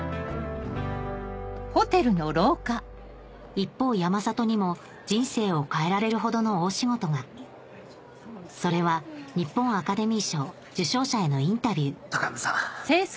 一方山里にも人生を変えられるほどの大仕事がそれは日本アカデミー賞受賞者へのインタビュー高山さん。